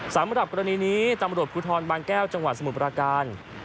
สำหรับกรณีนี้ตำรวจภูทรบางแก้วจังหวัดสมุทรปราการ